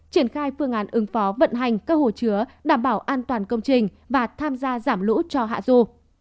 triển khai phương án ứng phó vận hành các hồ chứa đảm bảo an toàn công trình và tham gia giảm lũ cho hạ du